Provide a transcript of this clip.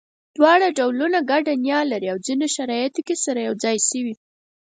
دواړه ډولونه ګډه نیا لري او ځینو شرایطو کې سره یو ځای شوي.